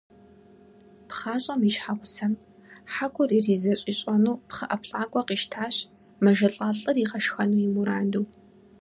ПхъащӀэм и щхьэгъусэм хьэкур иризэщӀищӀэну пхъэ ӀэплӀакӀуэ къищтащ, мэжэлӀа лӀыр игъэшхэну и мураду.